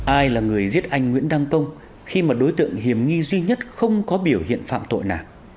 ai là người giết anh nguyễn đăng công khi mà đối tượng hiểm nghi duy nhất không có biểu hiện phạm tội nào